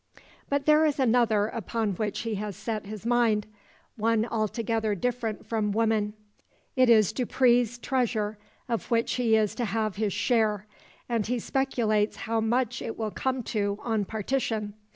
But there is another, upon which he has set his mind. One altogether different from woman. It is Dupre's treasure, of which he is to have his share; and he speculates how much it will come to on partition.